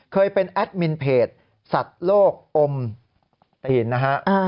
เคยเป็นแอดมินเพจสัตว์โลกอมตีนนะฮะ